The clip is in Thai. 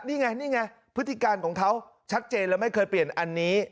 นี่ไงนี่ไงพฤติการของเขาชัดเจนแล้วไม่เคยเปลี่ยนอันนี้